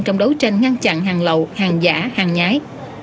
trong đấu tranh ngăn chặn hàng lậu hàng giả hàng nhái